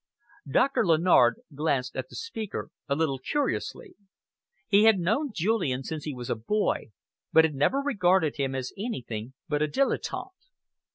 Doctor Lennard glanced at the speaker a little curiously. He had known Julian since he was a boy but had never regarded him as anything but a dilettante.